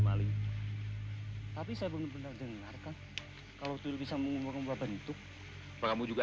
maling tapi saya benar benar dengarkan kalau itu bisa mengubah bentuk kamu juga